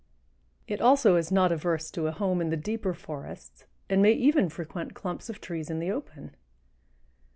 It also is not adverse to a home in the deeper forests and may even frequent clumps of trees in the open.